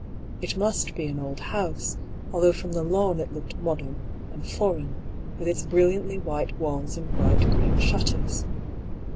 It must be an old house, although from the lawn it looked modem, and foreign, with its brilliantly white walls and bright green shutters.